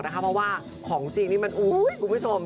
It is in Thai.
เพราะว่าของผู้ชมนี้มันโอ๊ยคุณผู้ชม